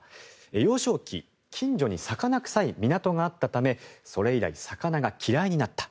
幼少期近所に魚臭い港があったためそれ以来、魚が嫌いになった